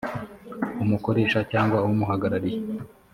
umukoresha cyangwa umuhagarariye